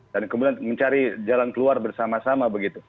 kemudian mencari jalan keluar bersama sama begitu